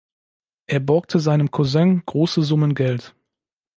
Er borgte seinem Cousin große Summen Geld.